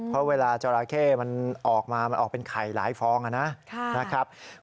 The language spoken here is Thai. เพราะเวลาจราเข้มันออกมามันออกเป็นไข่หลายฟองนะครับ